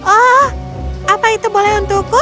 oh apa itu boleh untukku